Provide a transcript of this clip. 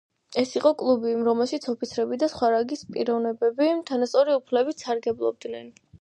ეს იყო კლუბი, რომელშიც ოფიცრები და სხვა რანგის პიროვნებები თანასწორი უფლებებით სარგებლობდნენ.